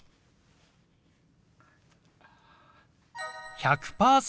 １００％